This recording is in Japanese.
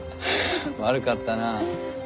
悪かったな。